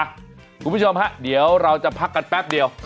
อ่ะคุณผู้ชมครับเราจะพักกันแป๊บเดียว